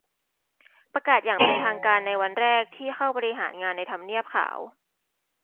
ประกาศอย่างเป็นทางการในวันแรกที่เข้าบริหารงานในทำเนียบขาว